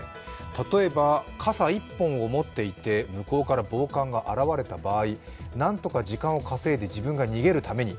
例えば傘１本を持っていて向こうから暴漢が現れた場合なんとか時間を稼いで自分が逃げるために